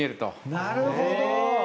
なるほど。